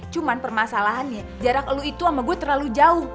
cuma permasalahannya jarak lu itu sama gue terlalu jauh